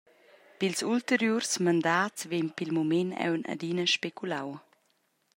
Pils ulteriurs mandats vegn pil mument aunc adina speculau.